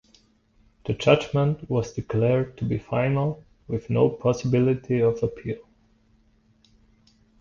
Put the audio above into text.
The judgement was declared to be final with no possibility of appeal.